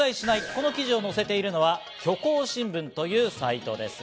この記事を載せているのは虚構新聞というサイトです。